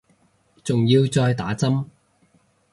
仲要再打針